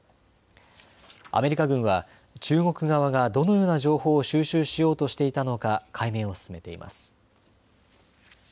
アメリカ軍は中国側がどのような情報を収集しようとしていたのか解明を進めています。